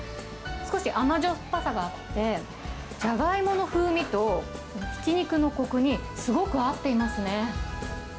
少し甘じょっぱさがあって、じゃがいもの風味とひき肉のこくにすごく合っていますね。